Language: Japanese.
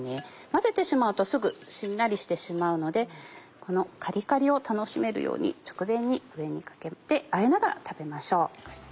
混ぜてしまうとすぐしんなりしてしまうのでこのカリカリを楽しめるように直前に上にかけてあえながら食べましょう。